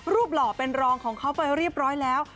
หล่อเป็นรองของเขาไปเรียบร้อยแล้ว